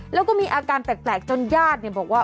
แล้วก็มีอาการแปลกจนญาติบอกว่า